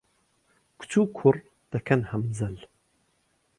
کچ و کوڕ دەکەن هەمزەل